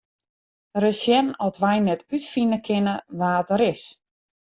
Ris sjen oft wy net útfine kinne wa't er is.